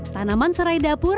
tanaman serai dapur